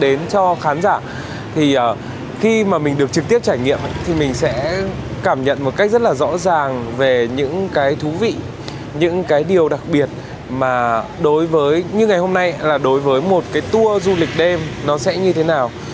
đến cho khán giả thì khi mà mình được trực tiếp trải nghiệm thì mình sẽ cảm nhận một cách rất là rõ ràng về những cái thú vị những cái điều đặc biệt mà đối với như ngày hôm nay là đối với một cái tour du lịch đêm nó sẽ như thế nào